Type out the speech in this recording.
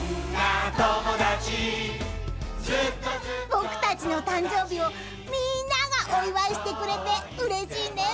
［僕たちの誕生日をみんながお祝いしてくれてうれしいねムック］